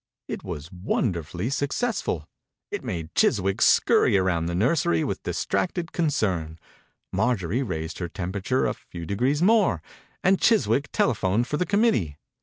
Itwas wonder fully successful. It made Chis 65 THE INCUBATOR BABY wick scurry around the nursery with distracted concern. Mar jorie raised her temperature a few degrees more and Chiswick telephoned for the committee.